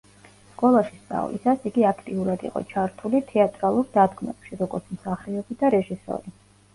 სკოლაში სწავლისას იგი აქტიურად იყო ჩართული თეატრალურ დადგმებში, როგორც მსახიობი და რეჟისორი.